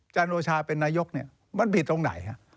จานโรชาเป็นนายกมันผิดตรงไหน